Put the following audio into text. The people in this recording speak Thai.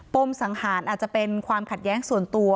มสังหารอาจจะเป็นความขัดแย้งส่วนตัว